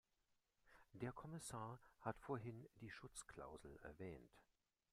Der Kommissar hat vorhin die Schutzklausel erwähnt.